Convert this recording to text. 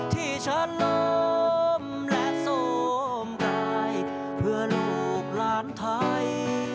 ที่ชลมและสมกายเพื่อลูกล้านไทย